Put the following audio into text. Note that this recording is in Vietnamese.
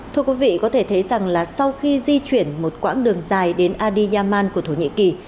thưa quý vị có thể thấy rằng là sau khi di chuyển một quãng đường dài đến adi yaman của thổ nhĩ kỳ